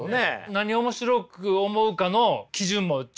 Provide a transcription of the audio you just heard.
何を面白く思うかの基準もちゃんとあったし。